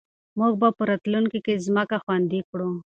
موږ به راتلونکې کې ځمکه خوندي کړو.